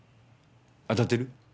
当たってる？